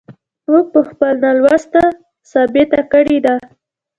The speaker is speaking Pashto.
موږ په خپل نه لوست ثابته کړې ده.